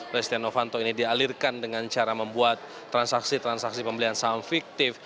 oleh setia novanto ini dialirkan dengan cara membuat transaksi transaksi pembelian saham fiktif